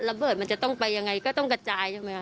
ระเบิดมันจะต้องไปยังไงก็ต้องกระจายใช่ไหมคะ